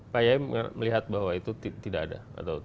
kayanya melihat bahwa itu tidak ada